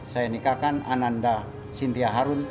saya nikahkan ananda sintia harun